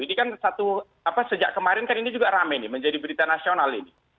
ini kan satu sejak kemarin kan ini juga rame nih menjadi berita nasional ini